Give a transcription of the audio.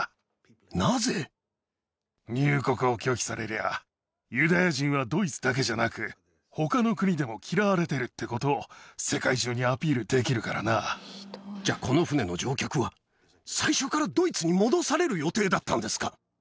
入国を拒否されりゃあ、ユダヤ人はドイツだけじゃなく、ほかの国でも嫌われてるってことを、じゃあ、この船の乗客は最初からドイツに戻される予定だったんですか？